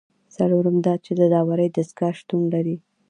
څلورم دا چې د داورۍ دستگاه شتون ولري.